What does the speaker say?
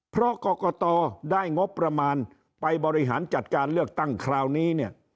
เพราะกรกตได้งบประมาณไปบริหารจัดการเลือกตั้งคราวนี้เนี่ย